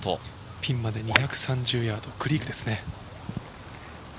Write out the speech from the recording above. ピンまで２３０ヤード、クリークですね。